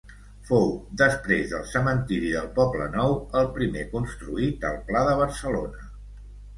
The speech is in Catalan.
Fou, després del cementiri del Poblenou, el primer construït al Pla de Barcelona.